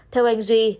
theo anh duy